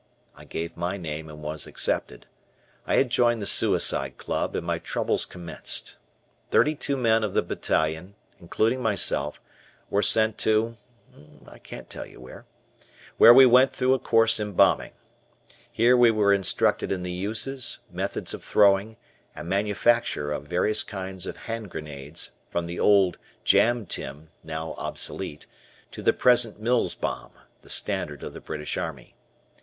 I gave my name and was accepted. I had joined the Suicide Club, and my troubles commenced. Thirty two men of the battalion, including myself, were sent to L , where we went through a course in bombing. Here we were instructed in the uses, methods of throwing, and manufacture of various kinds of hand grenades, from the old "jam tin," now obsolete, to the present Mills bomb, the standard of the British Army.